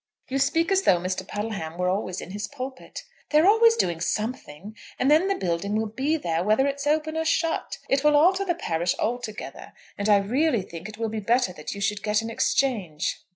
"You speak as though Mr. Puddleham were always in his pulpit." "They're always doing something, and then the building will be there whether it's open or shut. It will alter the parish altogether, and I really think it will be better that you should get an exchange."